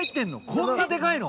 こんなデカいの？